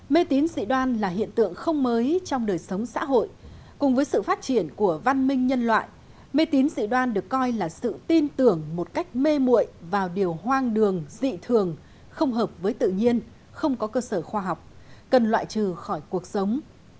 mê tín dị đoan là hiện tượng không mới trong đời sống xã hội cùng với sự phát triển của văn minh nhân loại mê tín dị đoan được coi là sự tin tưởng một cách mê mụi vào điều hoang đường dị thường không hợp với tự nhiên không có cơ sở khoa học cần loại trừ khỏi cuộc sống